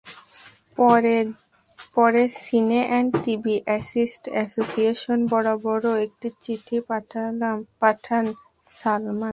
পরে cine and TV artist association বরাবরও একটি চিঠি পাঠান সালমান।